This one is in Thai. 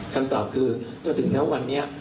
คำตอบคือก็ถึงนะวันนี้